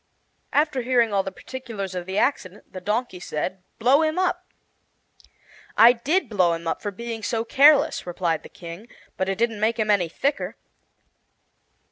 After hearing all the particulars of the accident, the Donkey said: "Blow him up." "I did blow him up, for being so careless," replied the King; "but it didn't make him any thicker."